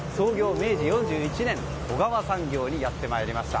明治４１年小川産業にやってまいりました。